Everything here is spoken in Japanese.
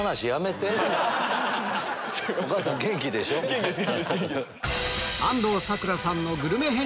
元気です！